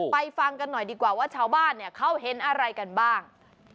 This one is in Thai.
ฟังกันหน่อยดีกว่าว่าชาวบ้านเนี่ยเขาเห็นอะไรกันบ้าง